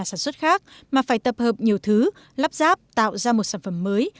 không có sản xuất khác mà phải tập hợp nhiều thứ lắp ráp tạo ra một sản phẩm mới